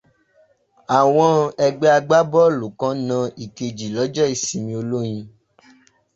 Àwọn ẹgbẹ́ agbá bọ́ọ́lù kan na ìkejì lọ́jọ́ ìsinmi olóyin.